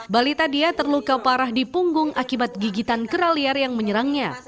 balita dia terluka parah di punggung akibat gigitan kera liar yang menyerangnya